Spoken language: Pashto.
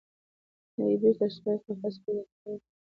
نه یې بیرته سوای قفس پیدا کولای